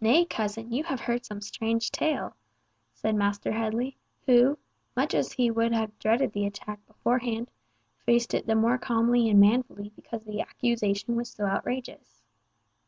"Nay, cousin, you have heard some strange tale," said Master Headley, who, much as he would have dreaded the attack beforehand, faced it the more calmly and manfully because the accusation was so outrageous.